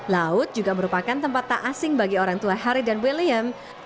laut juga merupakan tempat tak asing bagi orang tua harry dan william